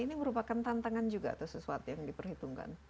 ini merupakan tantangan juga atau sesuatu yang diperhitungkan